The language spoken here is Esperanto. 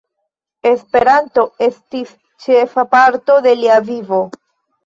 Esperanto estis ĉefa parto de lia vivo.